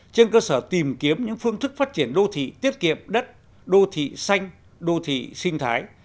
trên cơ sở tìm kiếm những phương thức phát triển đô thị tiết kiệm đất đô thị xanh đô thị sinh thái